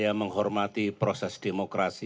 dan menghormati proses demokrasi